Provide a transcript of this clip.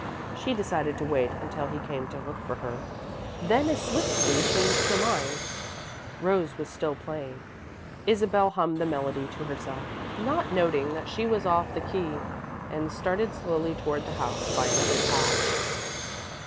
She decided to wait until he came to look for her, then as swiftly changed her mind. Rose was still playing. [Illustration: musical notation.] Isabel hummed the melody to herself, not noting that she was off the key, and started slowly toward the house, by another path.